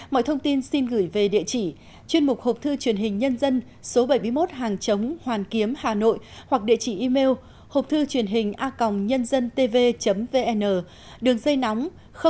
mọi thông tin xin gửi về địa chỉ chuyên mục hộp thư truyền hình nhân dân số bảy mươi một hàng chống hoàn kiếm hà nội hoặc địa chỉ email hộp thư truyền hình a nh tv vn đường dây nóng tám trăm tám mươi tám bảy trăm một mươi tám nghìn tám trăm chín mươi chín